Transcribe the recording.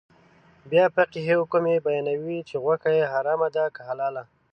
بیا فقهي حکم یې بیانوي چې غوښه یې حرامه ده که حلاله.